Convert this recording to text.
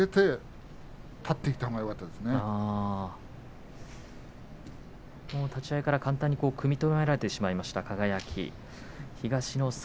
輝は立ち合いから簡単に組み止められてしまいました。